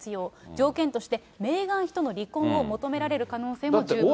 条件として、メーガン妃との離婚を求められる可能性も十分あると。